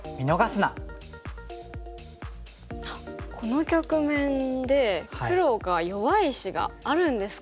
この局面で黒が弱い石があるんですか？